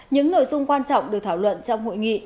những nội dung quan trọng được thảo luận trong hội nghị